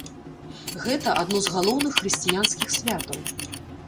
Гэта адно з галоўных хрысціянскіх святаў.